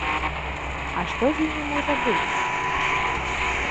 А што з імі можа быць?